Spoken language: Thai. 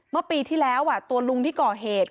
เมื่อปีที่แล้วตัวลุงที่ก่อเหตุ